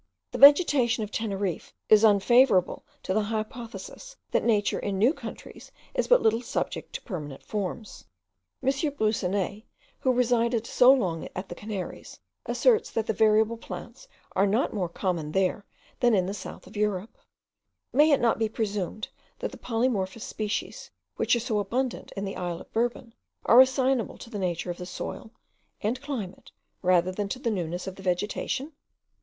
The vegetation of Teneriffe is unfavourable to the hypothesis that nature in new countries is but little subject to permanent forms. M. Broussonnet, who resided so long at the Canaries, asserts that the variable plants are not more common there than in the south of Europe. May it not to be presumed, that the polymorphous species, which are so abundant in the isle of Bourbon, are assignable to the nature of the soil and climate rather than to the newness of the vegetation?